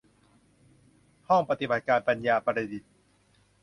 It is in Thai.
ห้องปฏิบัติการปัญญาประดิษฐ์